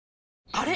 あれ？